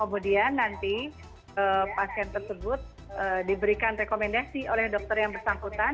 kemudian nanti pasien tersebut diberikan rekomendasi oleh dokter yang bersangkutan